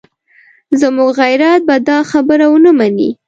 زموږ غیرت به دا خبره ونه مني.